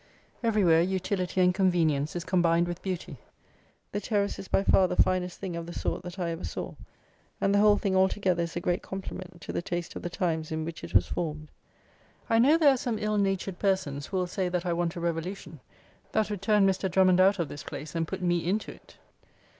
Everywhere utility and convenience is combined with beauty. The terrace is by far the finest thing of the sort that I ever saw, and the whole thing altogether is a great compliment to the taste of the times in which it was formed. I know there are some ill natured persons who will say that I want a revolution that would turn Mr. Drummond out of this place and put me into it.